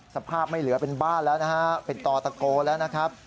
สภาพไม่เหลือเป็นบ้านแล้วนะฮะเป็นตอตะโกแล้วนะครับ